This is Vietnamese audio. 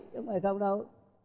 không phải không đâu